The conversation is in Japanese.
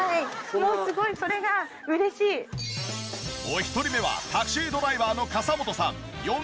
お一人目はタクシードライバーの笠本さん４８歳。